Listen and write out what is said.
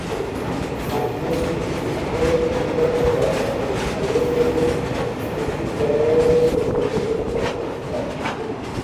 আগ্নেয়গিরির বিস্ফোরণে নির্গত গ্যাস ও ছাইয়ের পরিমাণ পৃথিবীর জলবায়ুর উপর উল্লেখযোগ্য প্রভাব ফেলে।